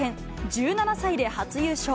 １７歳で初優勝。